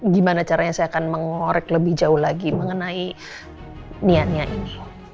gimana caranya saya akan mengorek lebih jauh lagi mengenai niatnya ini